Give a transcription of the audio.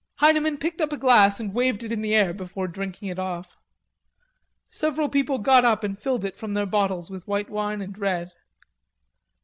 Heineman picked up a glass and waved it in the air before drinking it off. Several people got up and filled it up from their bottles with white wine and red.